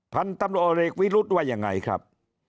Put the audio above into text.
พันธุ์ตำรวจเอกวิรุธว่ายังไงครับ